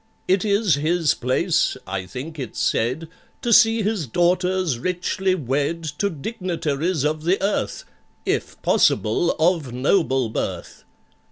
It is his place, I think it's said, To see his daughters richly wed To dignitaries of the earth— If possible, of noble birth.